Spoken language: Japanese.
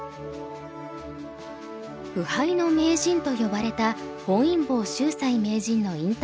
不敗の名人と呼ばれた本因坊秀哉名人の引退